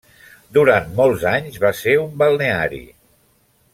Durant molts anys va ser un balneari.